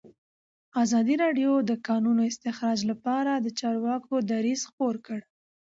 ازادي راډیو د د کانونو استخراج لپاره د چارواکو دریځ خپور کړی.